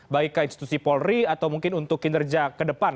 baik ke institusi polri atau mungkin untuk kinerja kedepan